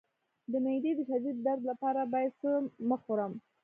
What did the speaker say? د معدې د شدید درد لپاره باید څه مه خورم؟